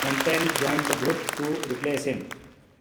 Montaigne joined the group to replace him.